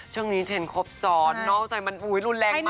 ช่วงนี้เทรนด์ครบสอดนอกจ่อยมันอุ้ยรุนแรงมาก